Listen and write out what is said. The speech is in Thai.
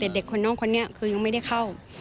เด็กคนน้องคนนี้คือยังไม่ได้เข้า